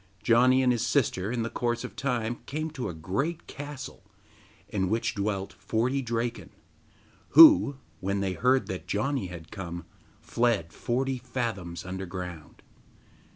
Janni and his sister in course of time came to a great castle, in which dwelt forty Draken, who, when they heard that Janni had come, fled forty fathoms underground.